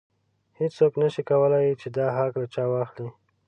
هیڅوک نشي کولی چې دا حق له چا واخلي.